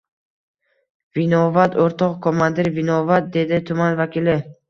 — Vinovat, o‘rtoq komandir, vinovat, — dedi tuman vakili.